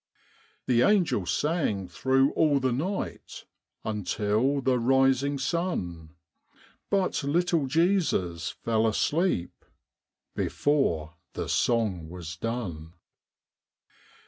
The angels sang thro' all the night Until the rising sun, But little Jesus fell asleep Before the song was done.